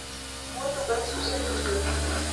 Muito bem sucedida.